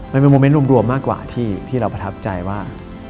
มันเป็นโมเมนต์รวมมากกว่าที่เราประทับใจว่า